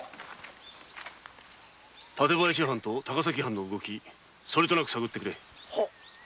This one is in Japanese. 館林藩と高崎藩の動きそれとなく探ってくれ。